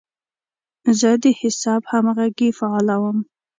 زه د حساب همغږي فعالوم.